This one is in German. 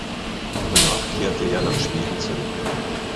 Danach kehrte er nach Schweden zurück.